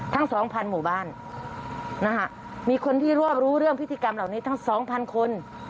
ทั้ง๒๐๐๐หมู่บ้านมีคนที่รวบรู้เรื่องพิธีกรรมเหล่านี้ทั้ง๒๐๐๐คน